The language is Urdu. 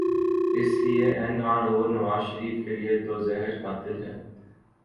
اس لیے N R O Nawaz Sharif کیلئے تو زہر قاتل ہے۔